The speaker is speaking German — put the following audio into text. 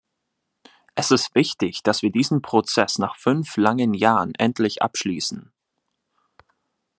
Es ist wichtig, dass wir diesen Prozess nach fünf langen Jahren endlich abschließen.